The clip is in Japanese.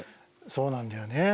そうなんだよね。